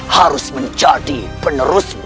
harus menjadi penerusmu